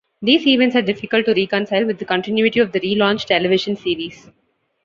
These events are difficult to reconcile with the continuity of the re-launched television series.